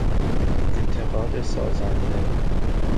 انتقاد سازنده